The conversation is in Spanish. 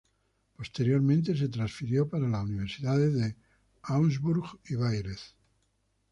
Posteriormente se transfirió para las universidades de Augsburg y Bayreuth.